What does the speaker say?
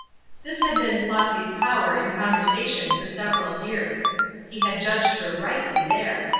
This had been Flossy's power in conversation for several years. He had judged her rightly there.